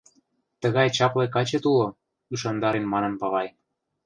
— Тыгай чапле качет уло, — ӱшандарен манын павай.